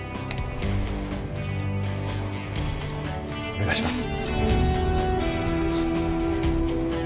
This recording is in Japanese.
お願いします。